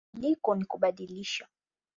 Mabadiliko ni kubadilisha